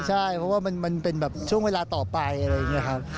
ใช่เพราะว่ามันเป็นแบบช่วงเวลาต่อไปอะไรอย่างนี้ครับ